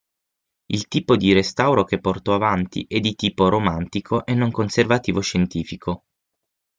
Il tipo di restauro che portò avanti è di tipo romantico e non conservativo-scientifico.